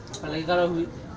apalagi kalau lagi hujan